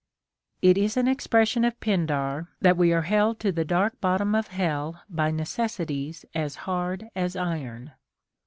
* It is an expression of Pindar, that we are held to the dark bottom of hell by necessities as hard as iron.